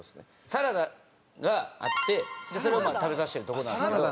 サラダがあってそれを食べさせてるところなんですけど。